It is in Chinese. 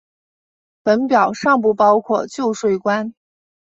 本表尚不包括旧税关。